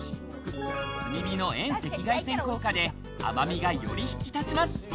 炭火の遠赤外線効果で甘みが、より引き立ちます。